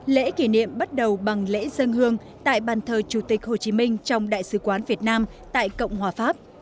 lễ kỷ niệm bắt đầu bằng lễ dân hương tại bàn thờ chủ tịch hồ chí minh trong đại sứ quán việt nam tại cộng hòa pháp